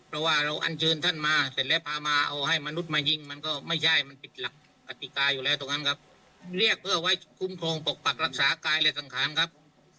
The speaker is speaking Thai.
เพราะว่าเราอันเชิญท่านมาเสร็จแล้วพามาเอาให้มนุษย์มายิงมันก็ไม่ใช่มันผิดหลักกติกาอยู่แล้วตรงนั้นครับเรียกเพื่อไว้คุ้มครองปกปักรักษากายอะไรสังขารครับ